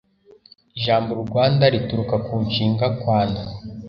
Ijambo “Rwanda” rituruka ku nshinga “Kwanda”